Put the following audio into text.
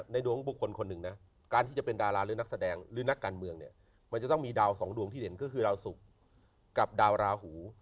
ดวงบุคคลคนหนึ่งนะการที่จะเป็นดาราหรือนักแสดงหรือนักการเมืองเนี่ยมันจะต้องมีดาวสองดวงที่เด่นก็คือดาวสุกกับดาวราหู